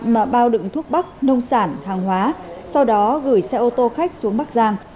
mà bao đựng thuốc bắc nông sản hàng hóa sau đó gửi xe ô tô khách xuống bắc giang